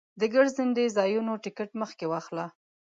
د ګرځندوی ځایونو ټکټ مخکې واخله.